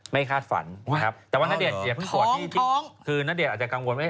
คาดฝันนะครับแต่ว่าณเดชนอย่าเพิ่งกอดนี่คือณเดชน์อาจจะกังวลว่า